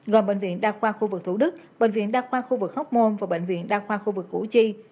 gồm bệnh viện đa khoa khu vực thủ đức bệnh viện đa khoa khu vực hóc môn và bệnh viện đa khoa khu vực củ chi